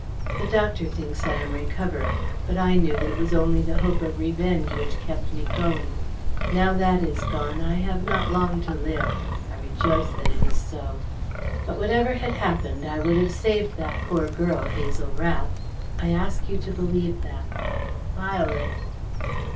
The doctor thinks I am recovering, but I knew that it was only the hope of revenge which kept me going. Now that is gone I have not long to live. I rejoice that it is so. But whatever had happened, I would have saved that poor girl, Hazel Rath.... I ask you to believe that ... Violet...."